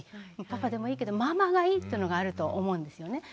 パパでもいいけどママがいい！っていうのがあるのと思うんですよね。